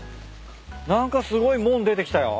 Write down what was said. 何かすごい門出てきたよ。